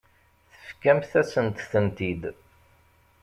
Tefkamt-asent-tent-id.